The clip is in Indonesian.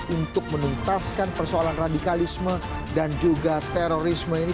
untuk menuntaskan persoalan radikalisme dan juga terorisme ini